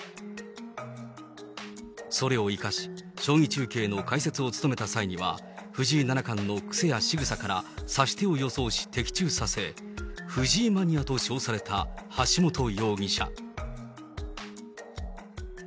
それを生かし、将棋中継の解説を務めた際には、藤井七冠の癖やしぐさから指し手を予想し的中させ、藤井マニアと称された橋本容疑者。